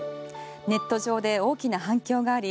ネット上で大きな反響があり